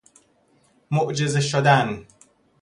معجزه شدن